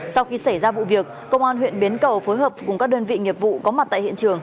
sau khi xảy ra vụ việc công an huyện bến cầu phối hợp cùng các đơn vị nghiệp vụ có mặt tại hiện trường